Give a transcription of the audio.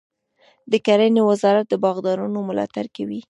د کرنې وزارت د باغدارانو ملاتړ کوي.